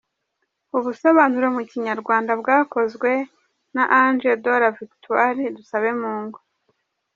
Ubusobanuro mu Kinyarwanda bwakozwe na : Ange de la Victoire Dusabemungu.